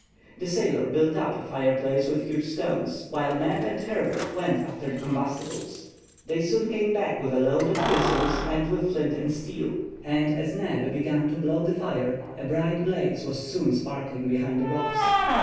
The sailor built up a fireplace with huge stones, while Neb and Herbert went after the combustibles. They soon came back with a load of thistles; and with flint and steel, the charred linen for tinder, and Neb to blow the fire, a bright blaze was soon sparkling behind the rocks.